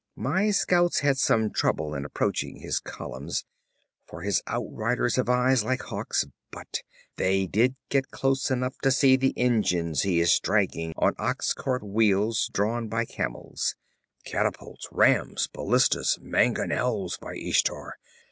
My scouts had some trouble in approaching his columns, for his outriders have eyes like hawks; but they did get close enough to see the engines he is dragging on ox cart wheels drawn by camels catapults, rams, ballistas, mangonels by Ishtar!